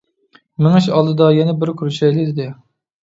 مېڭىش ئالدىدا يەنە بىر كۆرۈشەيلى، دېدى.